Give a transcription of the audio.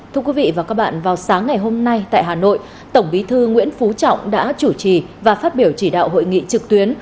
thưa quý vị và các bạn vào sáng ngày hôm nay tại hà nội tổng bí thư nguyễn phú trọng đã chủ trì và phát biểu chỉ đạo hội nghị trực tuyến